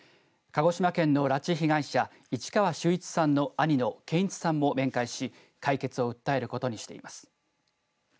鹿児島県の拉致被害者、市川修一さんの兄の健一さんも面会し解決を訴えることにしています。